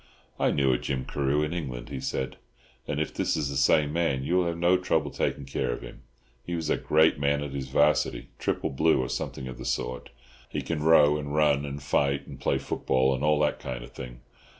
"I knew a Jim Carew in England," he said, "and if this is the same man you will have no trouble taking care of him. He was a great man at his 'Varsity—triple blue, or something of the sort. He can row and run and fight and play football, and all that kind of thing.